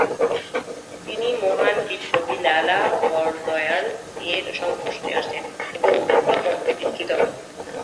তিনি মহান বিপ্লবী লালা হরদয়াল-এর সংস্পর্শে আসেন এবং বিপ্লব মন্ত্রে দীক্ষিত হন।